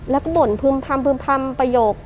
แล้วก็บ่นพึ่มพำประโยค